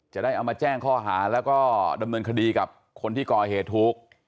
จะได้เอามาแจ้งข้อหาแล้วก็ดำเนินคดีกับคนที่ก่อเหตุทุกข์